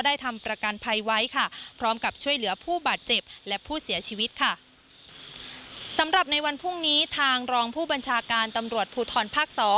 ทำประกันภัยไว้ค่ะพร้อมกับช่วยเหลือผู้บาดเจ็บและผู้เสียชีวิตค่ะสำหรับในวันพรุ่งนี้ทางรองผู้บัญชาการตำรวจภูทรภาค๒